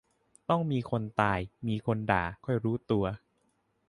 ต้องมีคนตาย มีคนด่า ค่อยรู้ตัว